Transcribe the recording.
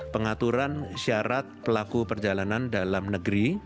pengaturan syarat pelaku perjalanan dalam negeri